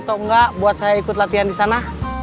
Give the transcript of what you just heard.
atau enggak buat saya ikut latihan di sana